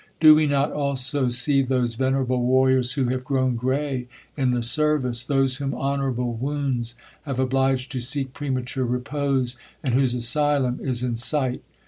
Do we not also see those venerable warriors who have grown grey in the service; those whom honorable wounds have obliged to seek premature repose, and whose asylum is in sight?